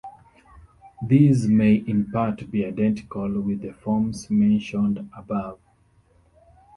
These may in part be identical with the forms mentioned above.